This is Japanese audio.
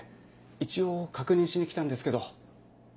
一応確認しに来たんですけど。